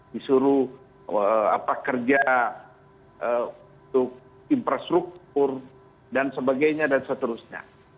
disuruh kerja untuk infrastruktur dan sebagainya dan seterusnya